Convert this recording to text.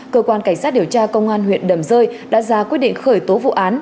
cơ quan cảnh sát điều tra công an huyện đầm rơi đã ra quyết định khởi tố vụ án